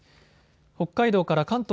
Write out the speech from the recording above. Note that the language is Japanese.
北海道から関東